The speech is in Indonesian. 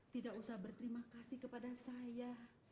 tidak usah berterima kasih kepada saya